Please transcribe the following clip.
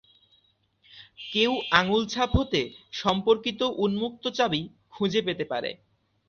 কেউ আঙুল-ছাপ হতে সম্পর্কিত উন্মুক্ত-চাবি খুঁজে পেতে পারে।